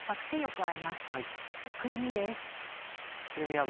くるみです。